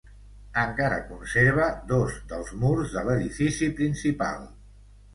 Encara conserva dos dels murs de l'edifici principal.